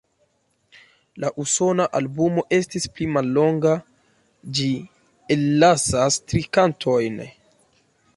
La Usona albumo estis pli mallonga; ĝi ellasas tri kantojn.